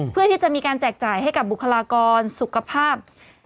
เพื่อที่จะมีการแจกจ่ายให้กับบุคลากรสุขภาพ